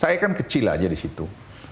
saya kan kecil aja di situ